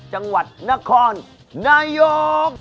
จังหวัดนครนายก